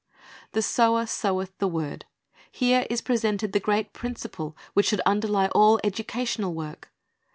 "^ "The sower soweth the word." Here is presented the great principle which should underlie all educational work.